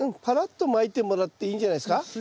ぱらっとまいてもらっていいんじゃないですか。